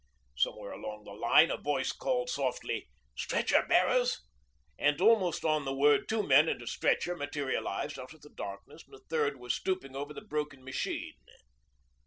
Somewhere along the line a voice called softly 'Stretcher bearers,' and almost on the word two men and a stretcher materialised out of the darkness and a third was stooping over the broken machine.